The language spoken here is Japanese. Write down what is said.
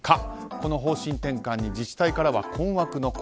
この方針転換に自治体からは困惑の声。